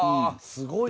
すごいな。